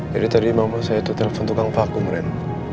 jadi tadi mama saya itu telfon tukang vakum ren